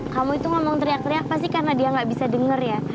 kamu itu ngomong teriak teriak pasti karena dia nggak bisa denger ya